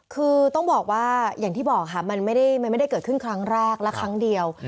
คือต้องบอกว่าอย่างที่บอกค่ะมันไม่ได้เกิดขึ้นครั้งแรกและครั้งเดียว